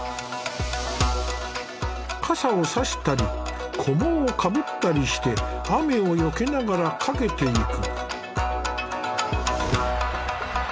傘を差したり菰をかぶったりして雨をよけながら駆けていく。